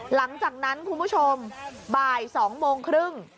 หลังจากนั้นคุณผู้ชมบ่าย๒โมงครึ่ง